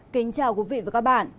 kính chào quý vị và các bạn